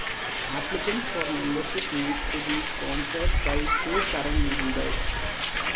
Applicants for membership need to be sponsored by two current Members.